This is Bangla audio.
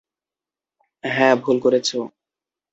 হ্যাঁ, ভুল করেছো।